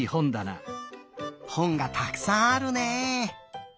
ほんがたくさんあるね。